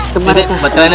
buat kalian ya